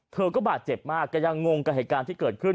เธอก็บาดเจ็บมากแกยังงงกับเหตุการณ์ที่เกิดขึ้น